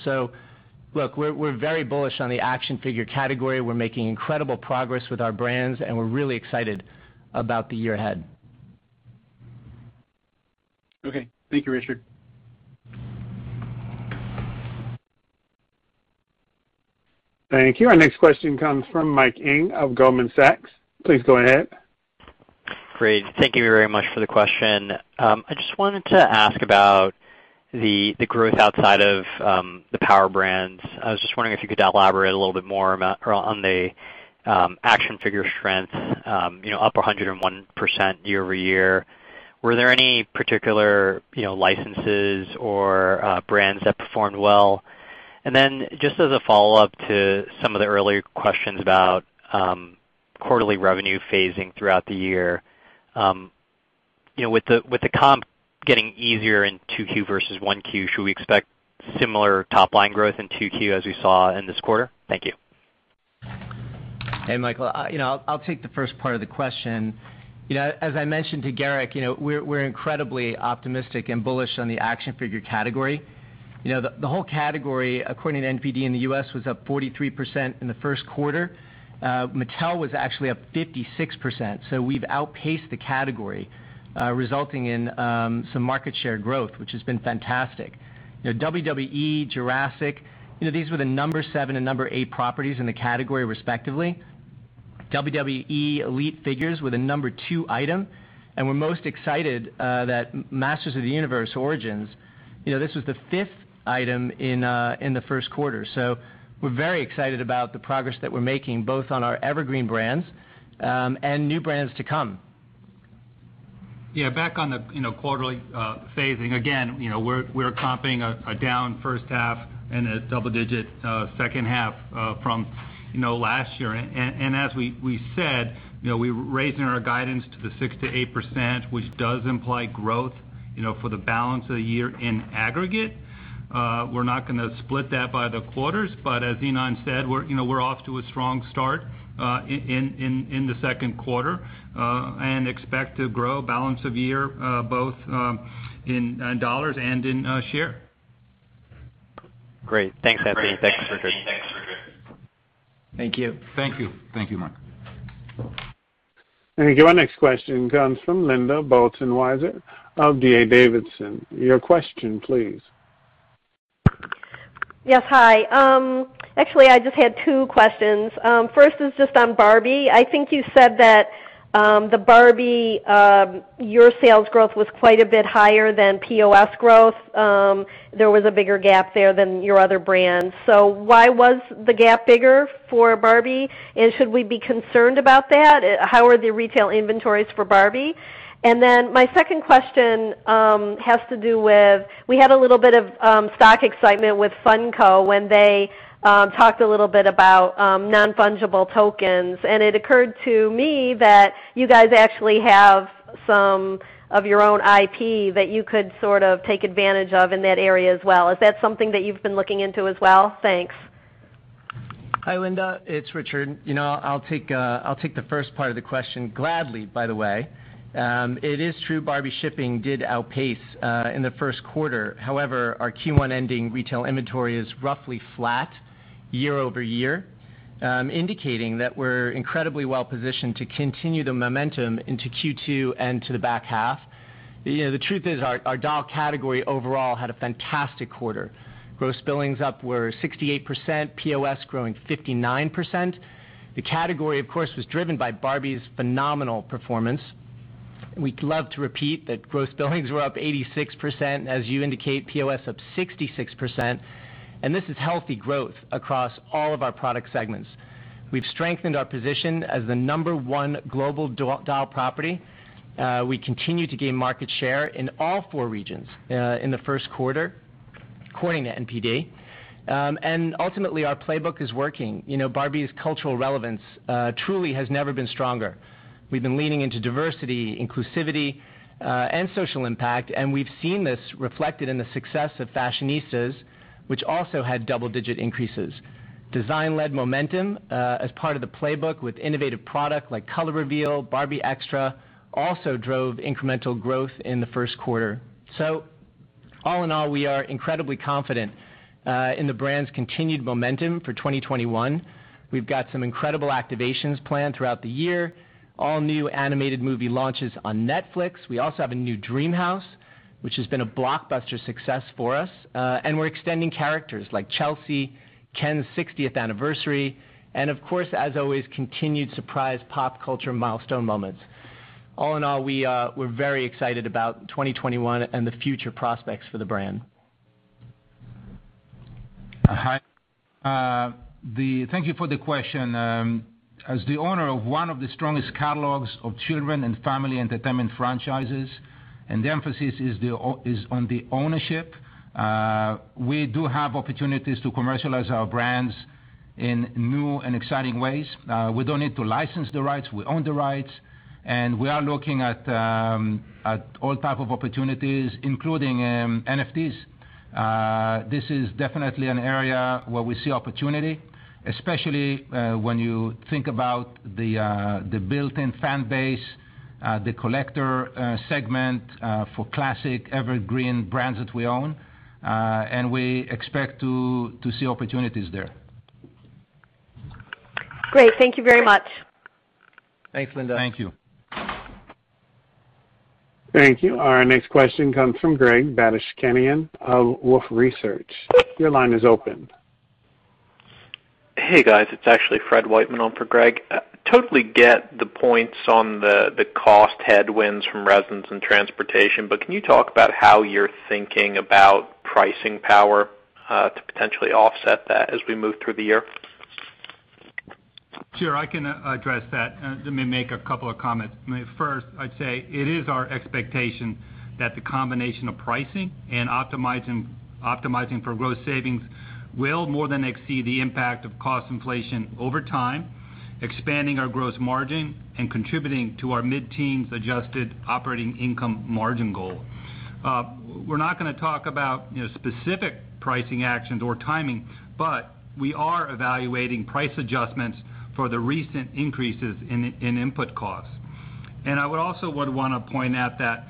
Look, we're very bullish on the action figure category. We're making incredible progress with our brands, and we're really excited about the year ahead. Okay. Thank you, Richard. Thank you. Our next question comes from Mike Ng of Goldman Sachs. Please go ahead. Great. Thank you very much for the question. I just wanted to ask about the growth outside of the Power Brands. I was just wondering if you could elaborate a little bit more on the action figure strength, up 101% year-over-year. Were there any particular licenses or brands that performed well? Then just as a follow-up to some of the earlier questions about quarterly revenue phasing throughout the year. With the comp getting easier in 2Q versus 1Q, should we expect similar top-line growth in 2Q as we saw in this quarter? Thank you. Hey, Michael. I'll take the first part of the question. As I mentioned to Gerrick, we're incredibly optimistic and bullish on the action figure category. The whole category, according to NPD in the U.S., was up 43% in the first quarter. Mattel was actually up 56%, so we've outpaced the category, resulting in some market share growth, which has been fantastic. WWE, Jurassic, these were the number sevenn and number eight properties in the category, respectively. WWE Elite figures were the number two item, we're most excited that Masters of the Universe Origins, this was the fifth item in the first quarter. We're very excited about the progress that we're making, both on our evergreen brands and new brands to come. Back on the quarterly phasing. Again, we're comping a down first half and a double-digit second half from last year. As we said, we're raising our guidance to the 6%-8%, which does imply growth for the balance of the year in aggregate. We're not going to split that by the quarters, as Ynon said, we're off to a strong start in the second quarter and expect to grow balance of year both in dollars and in share. Great. Thanks, Anthony. Thanks, Richard. Thank you. Thank you. Thank you, Mike. Thank you. Our next question comes from Linda Bolton-Weiser of D.A. Davidson. Your question, please. Yes. Hi. Actually, I just had two questions. First is just on Barbie. I think you said that the Barbie, your sales growth was quite a bit higher than POS growth. There was a bigger gap there than your other brands. Why was the gap bigger for Barbie, and should we be concerned about that? How are the retail inventories for Barbie? My second question has to do with, we had a little bit of stock excitement with Funko when they talked a little bit about non-fungible tokens, and it occurred to me that you guys actually have some of your own IP that you could sort of take advantage of in that area as well. Is that something that you've been looking into as well? Thanks. Hi, Linda, it's Richard. I'll take the first part of the question gladly, by the way. It is true Barbie shipping did outpace in the first quarter. However, our Q1 ending retail inventory is roughly flat year-over-year, indicating that we're incredibly well-positioned to continue the momentum into Q2 and to the back half. The truth is, our doll category overall had a fantastic quarter. Gross billings up were 68%, POS growing 59%. The category, of course, was driven by Barbie's phenomenal performance. We'd love to repeat that gross billings were up 86%, as you indicate, POS up 66%, and this is healthy growth across all of our product segments. We've strengthened our position as the number one global doll property. We continue to gain market share in all four regions in the first quarter, according to NPD. Ultimately, our playbook is working. Barbie's cultural relevance truly has never been stronger. We've been leaning into diversity, inclusivity, and social impact, and we've seen this reflected in the success of Fashionistas, which also had double-digit increases. Design-led momentum as part of the playbook with innovative product like Color Reveal, Barbie Extra, also drove incremental growth in the first quarter. All in all, we are incredibly confident in the brand's continued momentum for 2021. We've got some incredible activations planned throughout the year. All new animated movie launches on Netflix. We also have a new Dreamhouse, which has been a blockbuster success for us, and we're extending characters like Chelsea, Ken's 60th anniversary, and of course, as always, continued surprise pop culture milestone moments. All in all, we're very excited about 2021 and the future prospects for the brand. Hi. Thank you for the question. As the owner of one of the strongest catalogs of children and family entertainment franchises, and the emphasis is on the ownership, we do have opportunities to commercialize our brands in new and exciting ways. We don't need to license the rights. We own the rights, and we are looking at all type of opportunities, including NFTs. This is definitely an area where we see opportunity, especially when you think about the built-in fan base, the collector segment for classic evergreen brands that we own, and we expect to see opportunities there. Great. Thank you very much. Thanks, Linda. Thank you. Thank you. Our next question comes from Greg Badishkanian of Wolfe Research. Your line is open. Hey, guys. It's actually Fred Wightman on for Greg. Totally get the points on the cost headwinds from resins and transportation, but can you talk about how you're thinking about pricing power to potentially offset that as we move through the year? Sure. I can address that. Let me make a couple of comments. First, I'd say it is our expectation that the combination of pricing and Optimizing for Growth savings will more than exceed the impact of cost inflation over time, expanding our gross margin and contributing to our mid-teens adjusted operating income margin goal. We're not going to talk about specific pricing actions or timing, we are evaluating price adjustments for the recent increases in input costs. I would also want to point out that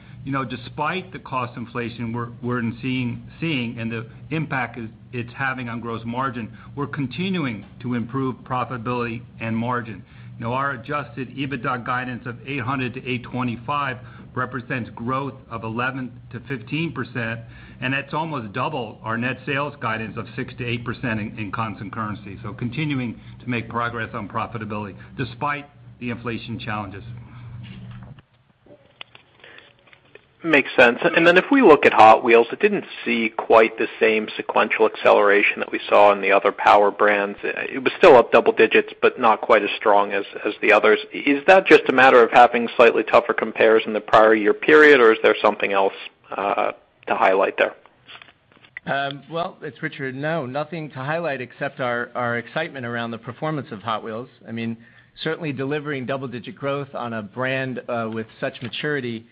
despite the cost inflation we're seeing and the impact it's having on gross margin, we're continuing to improve profitability and margin. Our adjusted EBITDA guidance of $800 million-$825 million represents growth of 11%-15%, and that's almost double our net sales guidance of 6%-8% in constant currency. Continuing to make progress on profitability despite the inflation challenges. Makes sense. If we look at Hot Wheels, it didn't see quite the same sequential acceleration that we saw in the other Power Brands. It was still up double digits, but not quite as strong as the others. Is that just a matter of having slightly tougher compares in the prior year period, or is there something else to highlight there? It's Richard. No, nothing to highlight except our excitement around the performance of Hot Wheels. Certainly delivering double-digit growth on a brand with such maturity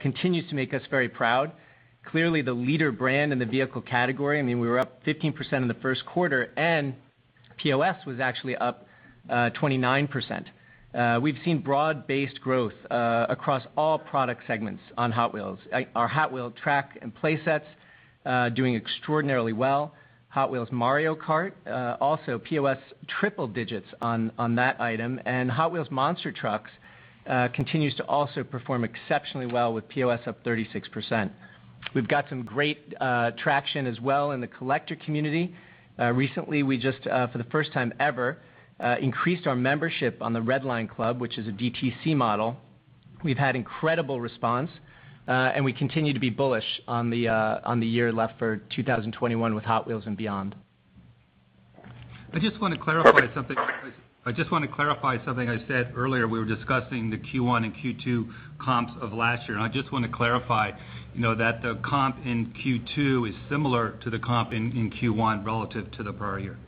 continues to make us very proud. Clearly, the leader brand in the vehicle category, we were up 15% in the first quarter. POS was actually up 29%. We've seen broad-based growth across all product segments on Hot Wheels. Our Hot Wheels track and play sets doing extraordinarily well. Hot Wheels Mario Kart, also POS triple digits on that item. Hot Wheels Monster Trucks continues to also perform exceptionally well with POS up 36%. We've got some great traction as well in the collector community. Recently, we just for the first time ever increased our membership on the Red Line Club, which is a DTC model. We've had incredible response, and we continue to be bullish on the year left for 2021 with Hot Wheels and beyond. I just want to clarify something I said earlier. We were discussing the Q1 and Q2 comps of last year, and I just want to clarify that the comp in Q2 is similar to the comp in Q1 relative to the prior year.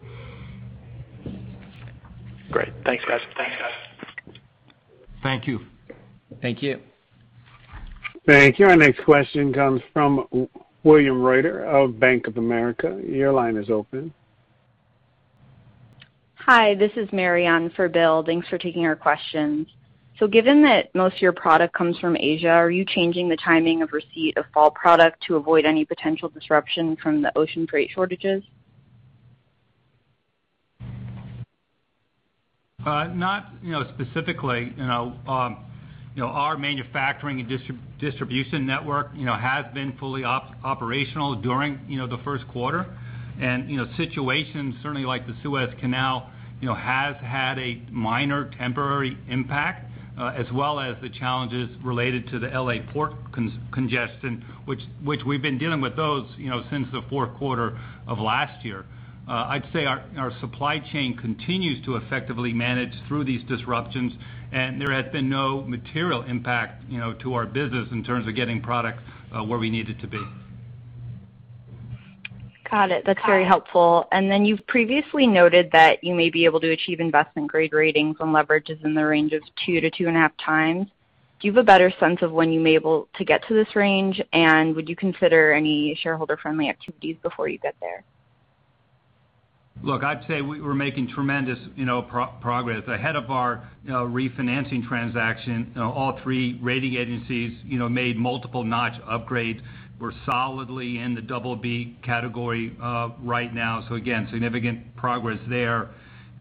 Great. Thanks, guys. Thank you. Thank you. Thank you. Our next question comes from William Reuter of Bank of America. Your line is open. Hi, this is Mary on for Bill. Thanks for taking our questions. Given that most of your product comes from Asia, are you changing the timing of receipt of fall product to avoid any potential disruption from the ocean freight shortages? Not specifically. Our manufacturing and distribution network has been fully operational during the first quarter. Situations, certainly like the Suez Canal, has had a minor temporary impact, as well as the challenges related to the L.A. port congestion, which we've been dealing with those since the fourth quarter of last year. I'd say our supply chain continues to effectively manage through these disruptions, and there has been no material impact to our business in terms of getting product where we need it to be. Got it. That's very helpful. You've previously noted that you may be able to achieve investment-grade ratings and leverage in the range of 2x-2.5x. Do you have a better sense of when you may be able to get to this range, and would you consider any shareholder-friendly activities before you get there? Look, I'd say we're making tremendous progress. Ahead of our refinancing transaction, all three rating agencies made multiple notch upgrades. We're solidly in the BB category right now. Again, significant progress there.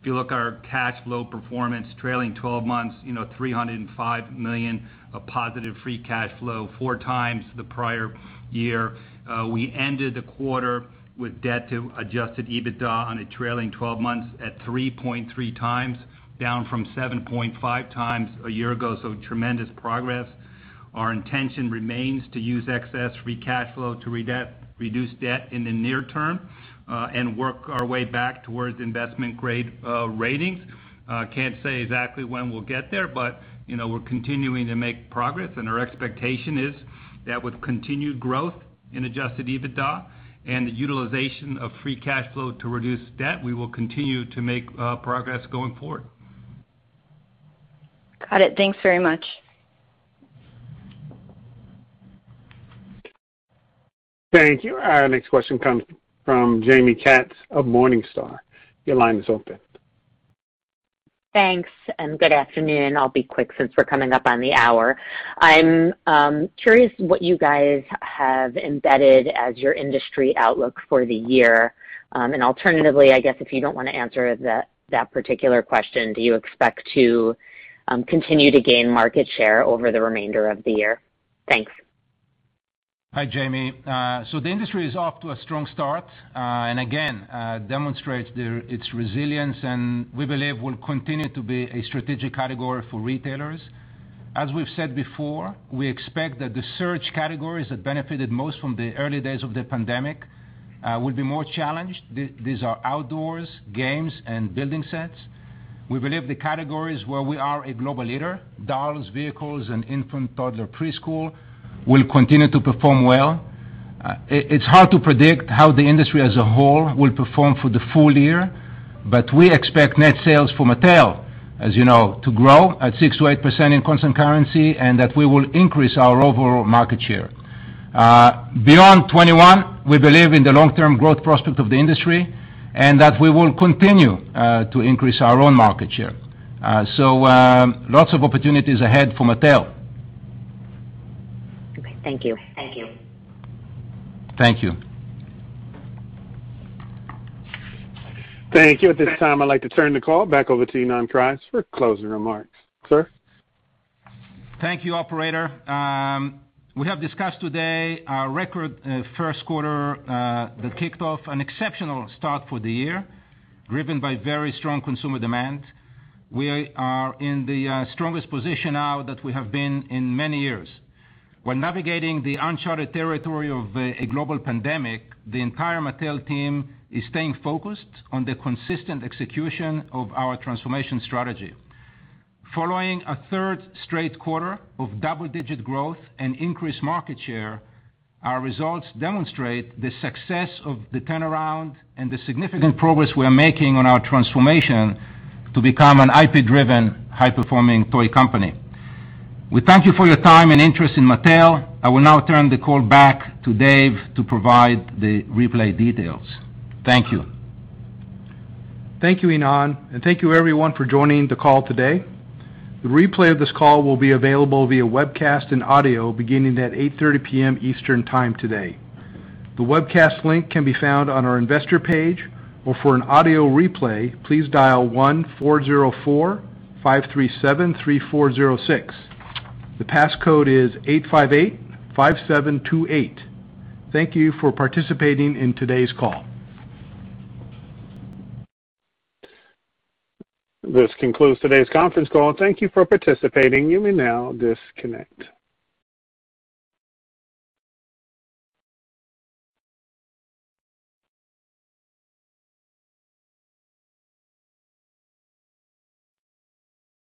If you look at our cash flow performance, trailing 12 months, $305 million of positive free cash flow, 4x the prior year. We ended the quarter with debt to adjusted EBITDA on a trailing 12 months at 3.3x, down from 7.5x a year ago, so tremendous progress. Our intention remains to use excess free cash flow to reduce debt in the near term, and work our way back towards investment-grade ratings. Can't say exactly when we'll get there, but we're continuing to make progress and our expectation is that with continued growth in adjusted EBITDA and the utilization of free cash flow to reduce debt, we will continue to make progress going forward. Got it. Thanks very much. Thank you. Our next question comes from Jaime Katz of Morningstar. Your line is open. Thanks, and good afternoon. I'll be quick since we're coming up on the hour. I'm curious what you guys have embedded as your industry outlook for the year. Alternatively, I guess if you don't want to answer that particular question, do you expect to continue to gain market share over the remainder of the year? Thanks. Hi, Jaime. The industry is off to a strong start, and again, demonstrates its resilience, and we believe will continue to be a strategic category for retailers. As we've said before, we expect that the search categories that benefited most from the early days of the pandemic will be more challenged. These are outdoors, games, and building sets. We believe the categories where we are a global leader, dolls, vehicles, and infant toddler preschool, will continue to perform well. It's hard to predict how the industry as a whole will perform for the full year, but we expect net sales for Mattel, as you know, to grow at 6%-8% in constant currency and that we will increase our overall market share. Beyond 2021, we believe in the long-term growth prospect of the industry, and that we will continue to increase our own market share. Lots of opportunities ahead for Mattel. Okay. Thank you. Thank you. Thank you. At this time, I'd like to turn the call back over to Ynon Kreiz for closing remarks. Sir? Thank you, operator. We have discussed today our record first quarter that kicked off an exceptional start for the year, driven by very strong consumer demand. We are in the strongest position now that we have been in many years. When navigating the uncharted territory of a global pandemic, the entire Mattel team is staying focused on the consistent execution of our transformation strategy. Following a third straight quarter of double-digit growth and increased market share, our results demonstrate the success of the turnaround and the significant progress we are making on our transformation to become an IP-driven, high-performing toy company. We thank you for your time and interest in Mattel. I will now turn the call back to Dave to provide the replay details. Thank you. Thank you, Ynon, and thank you everyone for joining the call today. The replay of this call will be available via webcast and audio beginning at 8:30 P.M. Eastern time today. The webcast link can be found on our investor page, or for an audio replay, please dial 1-404-537-3406. The pass code is 8585728. Thank you for participating in today's call. This concludes today's conference call. Thank you for participating. You may now disconnect.